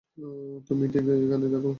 তুমি ঠিক এখানেই থাকো।